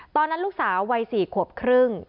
ตอนนั้นลูกสาววัย๔ขวบครึ่ง